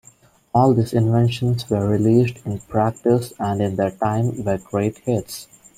All these inventions were realised in practice and in their time were great hits.